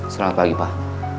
selamat pagi pak